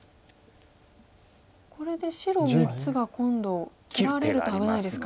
これで白３つが今度切られると危ないですか。